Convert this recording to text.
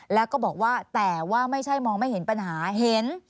แล้วก็บอกว่าแต่ว่าไม่ใช่มองไม่เห็นปัญหาเห็น